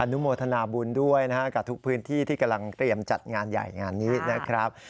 นุโมทนาบุญด้วยนะครับกับทุกพื้นที่ที่กำลังเตรียมจัดงานใหญ่งานนี้นะครับ